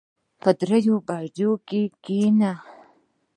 پر دريو بجو راکښېني.